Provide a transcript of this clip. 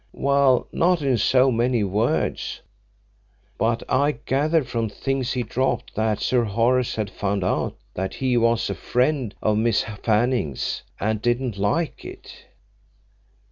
"Well, not in so many words. But I gathered from things he dropped that Sir Horace had found out that he was a friend of Miss Fanning's and didn't like it."